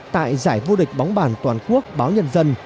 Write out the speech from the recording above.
tại giải vô địch bóng bàn toàn quốc báo nhân dân